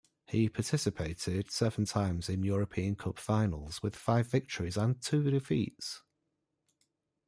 He participated seven times in European Cup finals with five victories and two defeats.